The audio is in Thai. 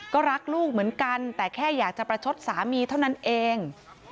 ก็รักลูกเหมือนกันแต่แค่อยากจะประชดสามีเท่านั้นเอง